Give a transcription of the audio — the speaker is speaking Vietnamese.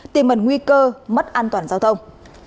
tìm mất nguy cơ mất an toàn giao thông